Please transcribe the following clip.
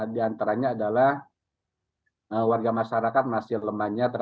di antaranya adalah warga masyarakat masih lemahnya